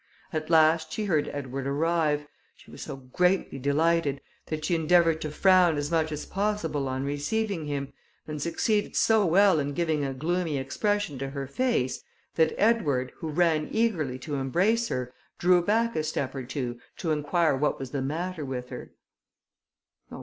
At last she heard Edward arrive; she was so greatly delighted, that she endeavoured to frown as much as possible on receiving him, and succeeded so well in giving a gloomy expression to her face, that Edward, who ran eagerly to embrace her, drew back a step or two to inquire what was the matter with her.